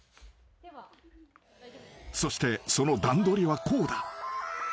［そしてその段取りはこうだ］